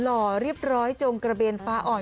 หล่อเรียบร้อยจงกระเบนฟ้าอ่อน